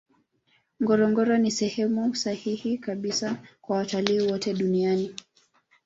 ngorongoro ni sehemu sahihi kabisa kwa watalii wote dunian